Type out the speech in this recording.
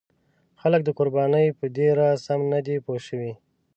خلک د قربانۍ په دې راز سم نه دي پوه شوي.